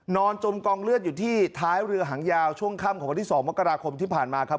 จมกองเลือดอยู่ที่ท้ายเรือหางยาวช่วงค่ำของวันที่๒มกราคมที่ผ่านมาครับ